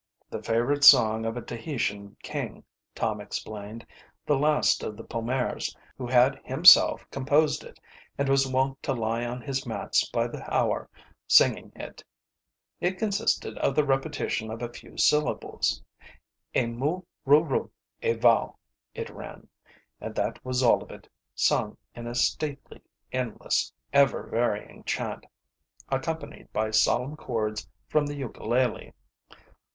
The favourite song of a Tahitian king, Tom explained the last of the Pomares, who had himself composed it and was wont to lie on his mats by the hour singing it. It consisted of the repetition of a few syllables. "E meu ru ru a vau," it ran, and that was all of it, sung in a stately, endless, ever varying chant, accompanied by solemn chords from the ukelele.